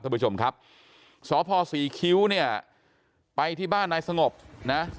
ท่านผู้ชมครับสปสีคิ้วพมครับไปที่บ้านไนสงบนะ